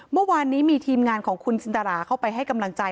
เมื่อวานนี้มีทีมงานของคุณจินตราเข้าไปให้กำลังใจ